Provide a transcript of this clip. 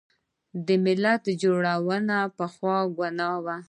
ملتونو جوړول پخوا ګناه وه.